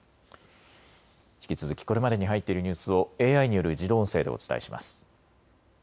引き続きこれまでに入っているニュースをＡＩによる自動音声でお伝えします。